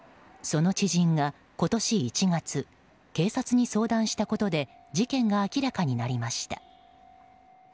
その知人が、今年１月警察に相談したことで事件が明らかになりました。